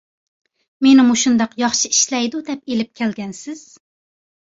مېنى مۇشۇنداق ياخشى ئىشلەيدۇ دەپ ئېلىپ كەلگەنسىز؟